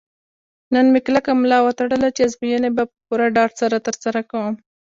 نن مې کلکه ملا وتړله چې ازموینې به په پوره ډاډ سره ترسره کوم.